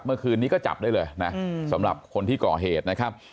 เมื่อคืนนี้ก็จับได้เลยนะสำหรับคนที่ก่อเหตุนะครับ